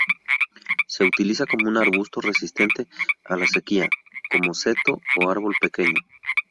Se utiliza como un arbusto resistente a la sequía, como seto, o árbol pequeño.